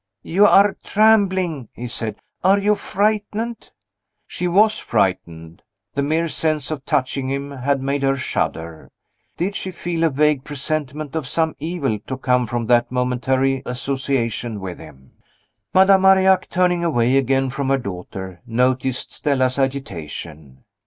"You are trembling!" he said. "Are you frightened?" She was frightened. The mere sense of touching him had made her shudder. Did she feel a vague presentiment of some evil to come from that momentary association with him? Madame Marillac, turning away again from her daughter, noticed Stella's agitation.